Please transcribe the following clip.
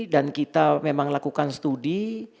dan kita memang lakukan studi